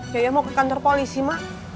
yaya mau ke kantor polisi mah